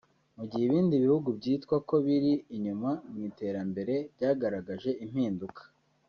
mu gihe ibindi bihugu byitwa ko bikiri inyuma mu iterambere byagaragaje impinduka